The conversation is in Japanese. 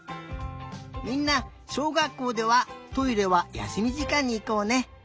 みんなしょうがっこうではトイレはやすみじかんにいこうね。